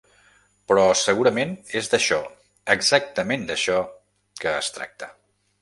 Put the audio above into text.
Però segurament és d’això, exactament d’això, que es tracta.